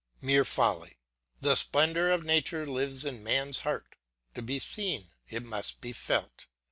Mere folly! The splendour of nature lives in man's heart; to be seen, it must be felt.